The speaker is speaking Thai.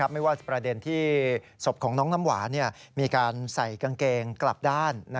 ไม่ว่าประเด็นที่ศพของน้องน้ำหวานมีการใส่กางเกงกลับด้าน